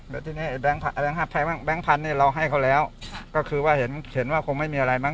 แล้วทีนี้แบงค์แบงค์แบงค์พันธุ์เนี้ยเราให้เขาแล้วค่ะก็คือว่าเห็นเห็นว่าคงไม่มีอะไรมั้ง